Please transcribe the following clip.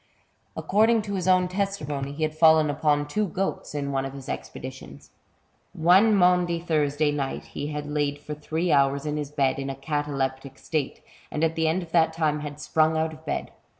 According to his own testimony, he had fallen upon two goats in one of his expeditions. One Maundy Thursday night he had lain for three hours in his bed in a cataleptic state, and at the end of that time had sprung out of bed.